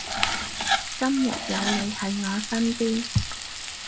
今日有你喺我身邊